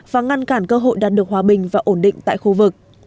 và ngăn cản cơ hội đạt được hòa bình và ổn định tại khu vực